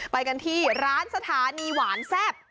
ไปกันที่ร้านสถานีหวานแซ่บ